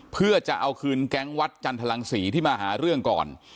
เพื่อจะเอาคืนแก๊งวัดจันทรังศรีที่มาหาเรื่องก่อน